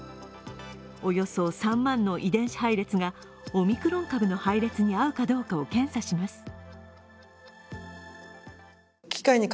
およそ３万の遺伝子配列がオミクロン株の配列に合うかどうかを検査します。